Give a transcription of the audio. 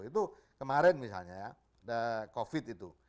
itu kemarin misalnya ya covid itu